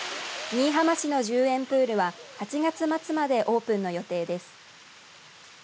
新居浜市の１０円プールは８月末までオープンの予定です。